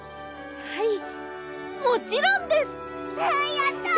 やった！